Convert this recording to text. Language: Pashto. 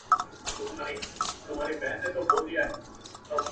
له مودو پس بيا پر سجده يې ـ سرگردانه نه يې ـ